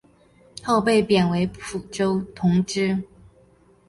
后被贬为蒲州同知。